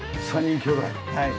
３人きょうだい。